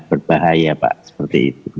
berbahaya pak seperti itu